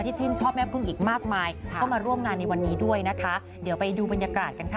ชื่นชอบแม่พึ่งอีกมากมายก็มาร่วมงานในวันนี้ด้วยนะคะเดี๋ยวไปดูบรรยากาศกันค่ะ